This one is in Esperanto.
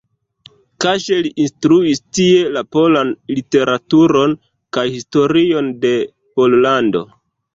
Kaŝe li instruis tie la polan literaturon kaj historion de Pollando.